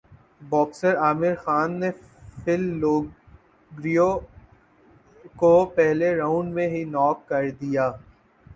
boxer Aamir Khan نے Phil Lo Greco کو پہلےرانڈ میں ہی ناک کر دیا